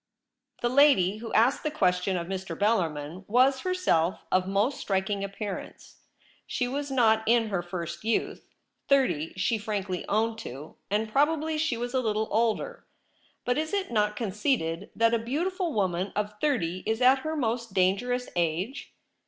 The lady who asked the question of Mr. Bellarmin was herself of most striking appear ance. She was not in her first youth — thirty she frankly owned to, and probably she was a little older. But is it not conceded that a beautiful woman of thirty is at her most dangerous age